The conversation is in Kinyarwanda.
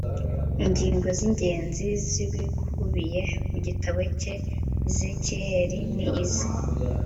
ingingo z'ingenzi z'ibikubiye mu gitabo cya ezekiyeli ni izi